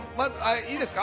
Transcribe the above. いいですか？